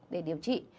để điều trị